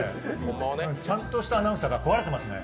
ちゃんとしたアナウンサーが壊れてますね。